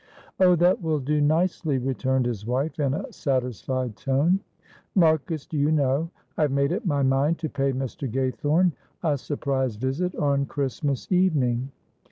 "Oh, that will do nicely," returned his wife, in a satisfied tone. "Marcus, do you know, I have made up my mind to pay Mr. Gaythorne a surprise visit on Christmas evening.